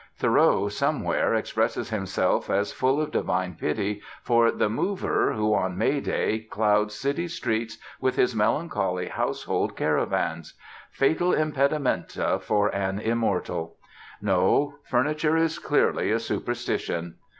Thoreau somewhere expresses himself as full of divine pity for the "mover," who on May Day clouds city streets with his melancholy household caravans: fatal impedimenta for an immortal. No: furniture is clearly a superstition.